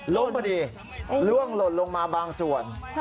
พอดีล่วงหล่นลงมาบางส่วน